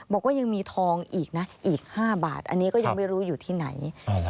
บอกว่ายังมีทองอีกนะอีก๕บาทอันนี้ก็ยังไม่รู้อยู่ที่ไหน